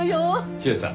千絵さん